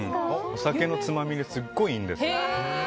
お酒のつまみにすごいいいんです。